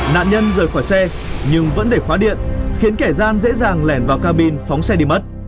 nạn nhân rời khỏi xe nhưng vẫn để khóa điện khiến kẻ gian dễ dàng lẻn vào cabin phóng xe đi mất